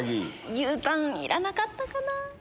牛タンいらなかったかなぁ。